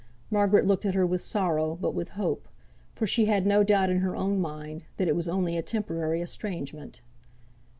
Margaret looked at her with sorrow, but with hope; for she had no doubt in her own mind, that it was only a temporary estrangement.